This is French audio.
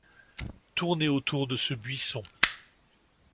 Tournez autour de ce buisson !…